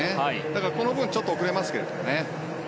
だからこの分ちょっと遅れます。